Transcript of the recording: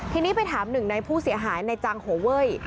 ทีนี้ไปถามหนึ่งในผู้เสียหายในจังหัวเว้ย